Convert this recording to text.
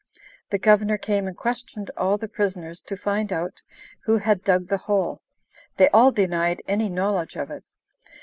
The Governor came and questioned all the prisoners to find out who had dug the hole. They all denied any knowledge of it.